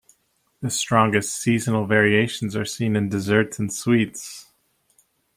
The strongest seasonal variations are seen in desserts and sweets.